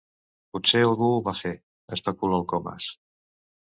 Potser algú ho va fer —especula el Comas—.